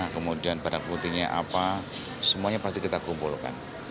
kemudian barang putihnya apa semuanya pasti kita kumpulkan